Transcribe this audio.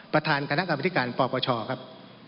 ประธานคณะกรรมธิการปปชครับ